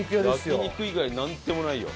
焼肉以外なんでもないよ。